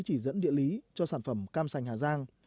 chỉ dẫn địa lý cho sản phẩm cam sành hà giang